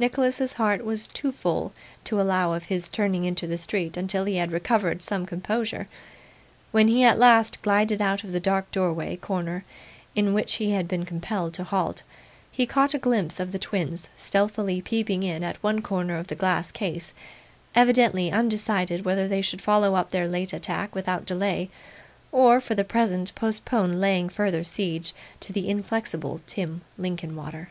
Nicholas's heart was too full to allow of his turning into the street until he had recovered some composure. When he at last glided out of the dark doorway corner in which he had been compelled to halt, he caught a glimpse of the twins stealthily peeping in at one corner of the glass case, evidently undecided whether they should follow up their late attack without delay, or for the present postpone laying further siege to the inflexible Tim Linkinwater.